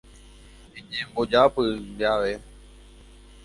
eñembojápy ndeave.